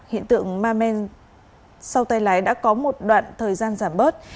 hiện tượng ma men sau tay lái đã có một đoạn thời gian giảm bớt